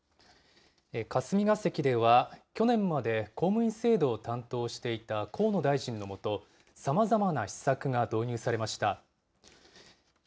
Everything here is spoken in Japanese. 次は、官僚の働き方改革につ霞が関では、去年まで公務員制度を担当していた河野大臣の下、さまざまな施策が導入されました。